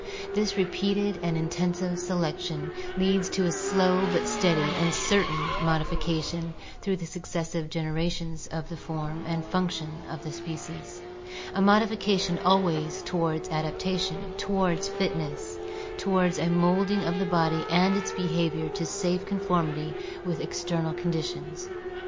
This repeated and intensive selection leads to a slow but steady and certain modification through the successive generations of the form and functions of the species; a modification always towards adaptation, towards fitness, towards a moulding of the body and its behavior to safe conformity with NATURAL SELECTION 113 external conditions.